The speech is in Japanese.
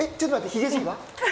ヒゲじいは？